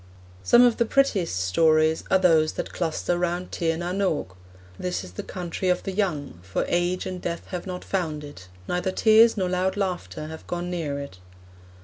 Some of the prettiest stories are those that cluster round Tir na n Og. This is the Country of the Young, 'for age and death have not found it; neither tears nor loud laughter have gone near it.'